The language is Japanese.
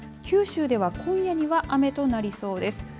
九州では今夜には雨となりそうです。